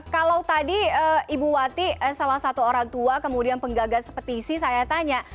kalau tadi ibu wati salah satu orang tua kemudian penggagal seperti si saya tanya